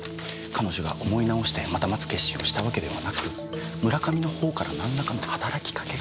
彼女が思い直してまた待つ決心をしたわけではなく村上のほうからなんらかの働きかけがあった。